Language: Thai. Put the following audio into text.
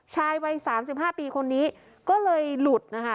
ชายวัยสามสิบห้าปีคนนี้ก็เลยหลุดนะคะ